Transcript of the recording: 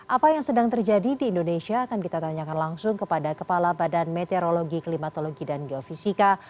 apa yang sedang terjadi di indonesia akan kita tanyakan langsung kepada kepala badan meteorologi klimatologi dan geofisika